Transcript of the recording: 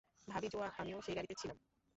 ভাবি, জোয়া, আমিও সেই গাড়িতে ছিলাম।